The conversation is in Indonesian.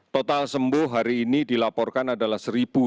total sembuh hari ini dilaporkan adalah satu